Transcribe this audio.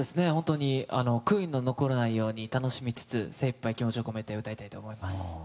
悔いの残らないように楽しみつつ精いっぱい気持ちを込めて歌いたいと思います。